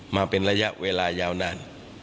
มาเป็นระยะเวลายาวนาน